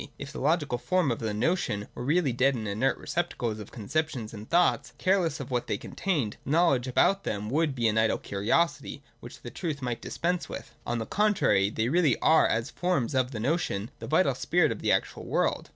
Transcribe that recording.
If the logical forms of the notion were really dead and inert receptacles of conceptions and thoughts, careless of what they contained, know ledge about them would be an idle curiosity which the truth might dispense with. On the contrary they really are, as forms of the notion, the vital spirit of the actual world.